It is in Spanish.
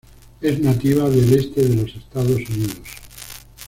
Es nativa del este de los Estados Unidos.